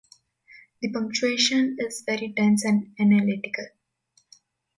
The punctuation is very dense and analytical.